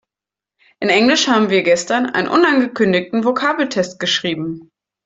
In Englisch haben wir gestern einen unangekündigten Vokabeltest geschrieben.